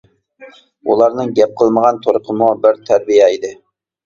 ئۇلارنىڭ گەپ قىلمىغان تۇرقىمۇ بىر تەربىيە ئىدى.